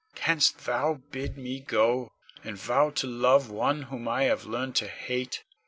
Canst thou bid me go, and vow to love one whom I have learned to hate?